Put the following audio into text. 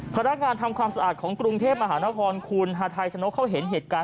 ปราการทำความสะอาดของกรุงเทพมหานครคุณธรรมรถัยธ์ชะโน้ตเขาเห็นเหตุการณ์